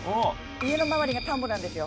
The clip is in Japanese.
家の周りが田んぼなんですよ